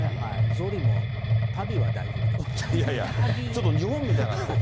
ぞうりも、いやいや、ちょっと日本みたいになってる。